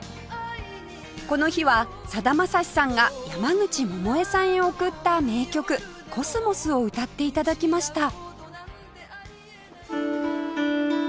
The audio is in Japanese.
この日はさだまさしさんが山口百恵さんへ贈った名曲『秋桜』を歌って頂きました